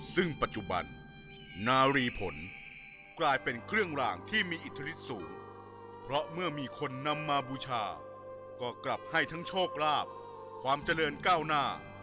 ซึ่งปัจจุบันนารีผลกลายเป็นเครื่องรางที่มีอิทธิฤทธิสูงเพราะเมื่อมีคนนำมาบูชาก็กลับให้ทั้งโชคลาภความเจริญก้าวหน้า